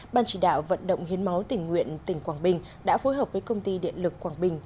ban chỉ đạo vận động hiến máu tỉnh nguyện tỉnh quảng bình đã phối hợp với công ty điện lực quảng bình